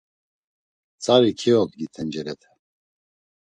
Tzari keodgi tencerete.